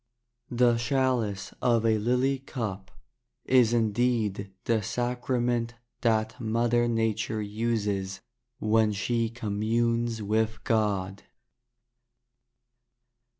The chalice of a lily cup Is indeed the sacrament That Mother Nature uses When she communes with God.